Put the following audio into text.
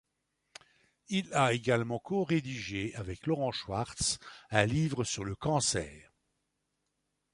Il a également co-rédigé avec Laurent Schwartz un livre sur le cancer.